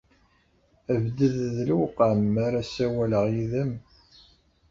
Bded d lewqam mi ara ssawaleɣ yid-m!